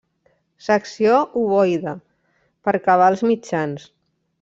Secció ovoide, per cabals mitjans.